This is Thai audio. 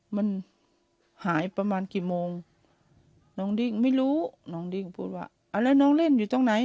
มันหายประมาณกี่โมงน้องดิ้งไม่รู้น้องดิ้งก็พูดว่าอ่าแล้วน้องเล่นอยู่ตรงไหน